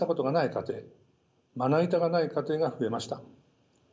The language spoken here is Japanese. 家庭まな板がない家庭が増えました。